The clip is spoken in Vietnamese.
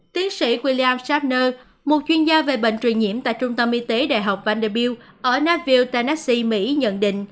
tiến sĩ william schaffner một chuyên gia về bệnh truyền nhiễm tại trung tâm y tế đại học vanderbilt ở nashville tennessee mỹ nhận định